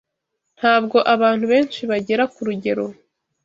Ntabwo abantu benshi bagera ku rugero